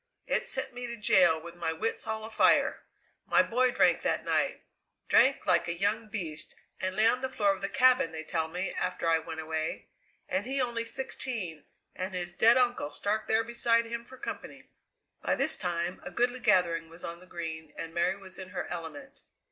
It sent me to jail with my wits all afire. My boy drank that night, drank like a young beast, and lay on the floor of the cabin, they tell me, after I went away; and he only sixteen, and his dead uncle stark there beside him for company!" By this time a goodly gathering was on the Green, and Mary was in her element.